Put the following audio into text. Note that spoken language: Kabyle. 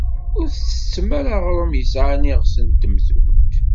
Ur tettettem ara aɣrum yesɛan iɣes n temtunt.